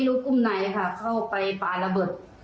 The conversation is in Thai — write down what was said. ๒ครั้งนี้แล้วไหมวิด